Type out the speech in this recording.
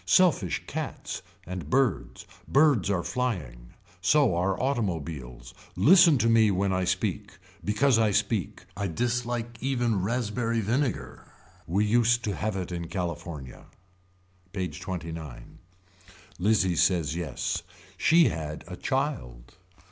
Selfish cats. And birds. Birds are flying. So are automobiles. Listen to me when I speak. Because I speak. I dislike even raspberry vinegar. We used to have it in California. PAGE XXIX. Lizzie says yes. She had a child.